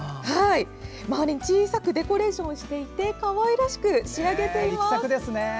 周りに小さくデコレーションしていてかわいらしく仕上げています。